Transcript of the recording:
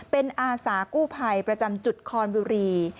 เป็นอาสากู้ภัยประจำจุดคอนบุรี